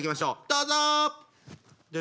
どうぞ！